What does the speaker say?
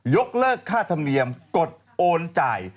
ยกเลิกค่าธรรมเนียมกดโอนจ่าย